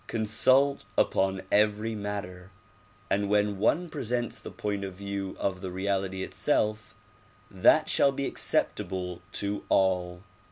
Consult upon every matter and when one presents the point of view of the reality itself, that shall be acceptable to all.